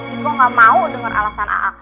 iko gak mau denger alasan aa